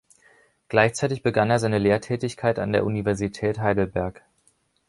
Gleichzeitig begann er seine Lehrtätigkeit an der Universität Heidelberg.